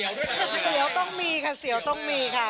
เดี๋ยวต้องมีค่ะเสียวต้องมีค่ะ